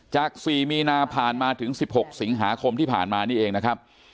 จาก๔มีนาผ่านมาถึง๑๖สิงหาคมที่ผ่านมานี่เองนะครับ